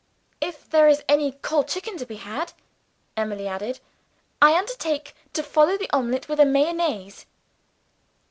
"If there is any cold chicken to be had," Emily added, "I undertake to follow the omelet with a mayonnaise."